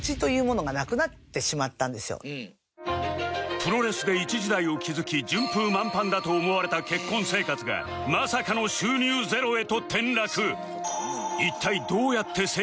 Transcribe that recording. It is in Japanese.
プロレスで一時代を築き順風満帆だと思われた結婚生活がまさかの収入ゼロへと転落